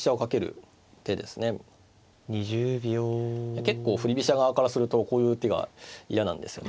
結構振り飛車側からするとこういう手が嫌なんですよね。